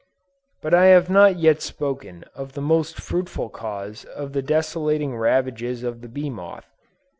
But I have not yet spoken of the most fruitful cause of the desolating ravages of the bee moth.